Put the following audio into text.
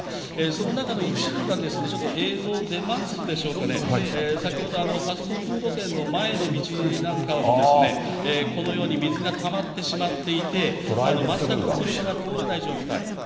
その中の一部がちょっと映像出ますでしょうかね、先ほどファストフード店の前の道なんかもこのように水がたまってしまっていて、全く車が通れない状態。